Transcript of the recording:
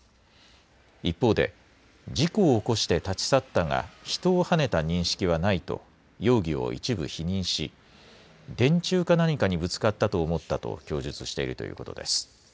一方で事故を起こして立ち去ったが人をはねた認識はないと容疑を一部否認し、電柱か何かにぶつかったと思ったと供述しているということです。